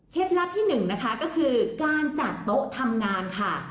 เคล็ดลับที่๑ก็คือการจัดโต๊ะทำงานค่ะ